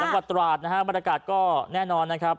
จังหวัดตราดนะฮะบรรยากาศก็แน่นอนนะครับ